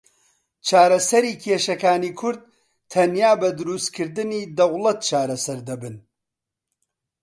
چارەسەری کێشەکانی کورد تەنیا بە دروستکردنی دەوڵەت چارەسەر دەبن.